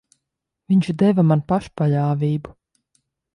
Viņš deva man pašpaļāvību.